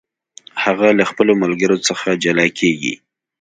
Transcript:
هغه له خپلو ملګرو څخه جلا کیږي.